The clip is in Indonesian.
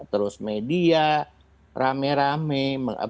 terus media rame rame